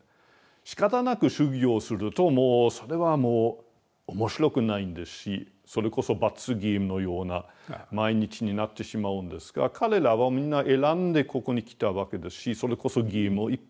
しかたなく修行するともうそれはもう面白くないんですしそれこそ罰ゲームのような毎日になってしまうんですが彼らはみんな選んでここに来たわけですしそれこそゲームを一服したい。